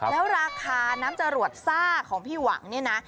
แล้วราคาน้ำจรวดซ่าของพี่หวังเนี่ยนะ